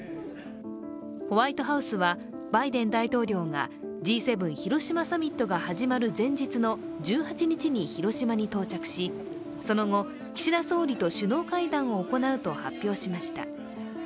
ホワイトハウスは、バイデン大統領がＧ７広島サミットが始まる前日の１８日に広島に到着しその後、岸田総理と首脳会談を行うと発表しました。